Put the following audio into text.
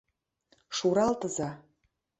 Шуралтыза!